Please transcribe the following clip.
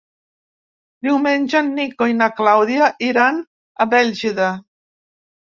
Diumenge en Nico i na Clàudia iran a Bèlgida.